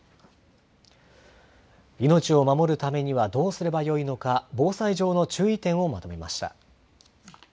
命を守るためにはどうすればよいのか、防災上の注意点をまとめました。